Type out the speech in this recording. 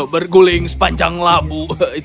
berguling sepanjang labu